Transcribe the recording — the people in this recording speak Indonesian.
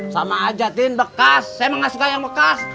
sama aja tin bekas saya enggak suka yang bekas